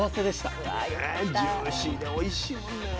ねジューシーでおいしいもんね。